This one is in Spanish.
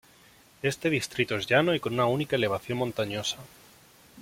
Este distrito es llano y con una única elevación montañosa.